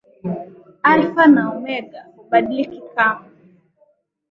Alfa na omega, hubadiliki kamwe.